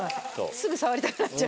すぐ触りたくなっちゃう。